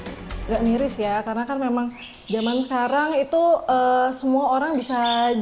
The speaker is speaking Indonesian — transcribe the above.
nggak miris ya karena kan memang zaman sekarang itu semua orang bisa